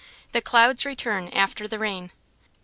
"The clouds return after the rain."